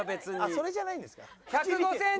それじゃないんですね。